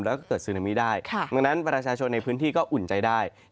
แล้วก็เกิดซึนามิได้ดังนั้นประชาชนในพื้นที่ก็อุ่นใจได้